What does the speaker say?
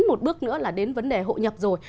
một bước nữa là đến vấn đề hội nhập rồi